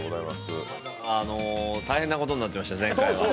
大変なことになっていました前回は。